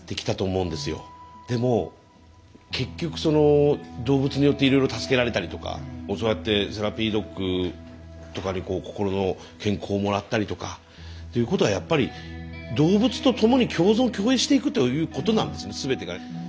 でも結局その動物によっていろいろ助けられたりとかそうやってセラピードッグとかに心の健康をもらったりとかっていうことはやっぱり動物と共に共存共栄していくということなんですねすべてが。